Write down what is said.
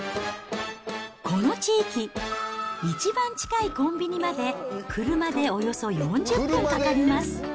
この地域、一番近いコンビニまで車でおよそ４０分かかります。